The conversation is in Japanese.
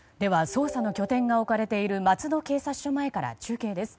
捜査の拠点が置かれている松戸警察署前から中継です。